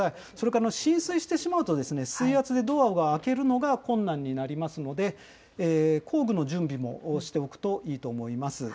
それから、浸水してしまうとですね、水圧でドアを開けるのが困難になりますので、工具の準備もしておくといいと思います。